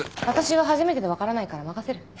私は初めてで分からないから任せる。